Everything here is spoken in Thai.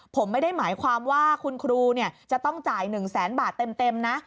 ผมไม่ได้หมายความว่าคุณครูจะต้องจ่าย๑แสนบาทเต็มนะ